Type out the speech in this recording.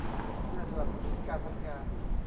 เพื่อสนับสนุนการทำงาน